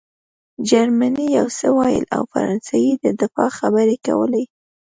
جرمني یو څه ویل او فرانسې د دفاع خبرې کولې